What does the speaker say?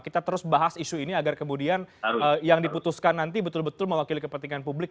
kita terus bahas isu ini agar kemudian yang diputuskan nanti betul betul mewakili kepentingan publik